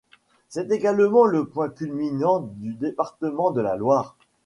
C'est également le point culminant du département de la Loire.